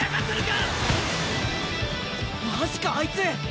マジかあいつ！